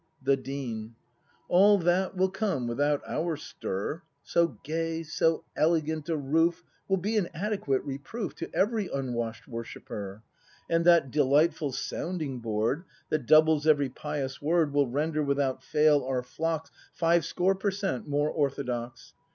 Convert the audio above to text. The Dean. All that will come without our stir. So gay, so elegant a roof Will be an adequate reproof To every unwash'd worshipper. And that delightful sounding board. That doubles every pious word. Will render without fail our flocks Fivescore per cent, more orthodox.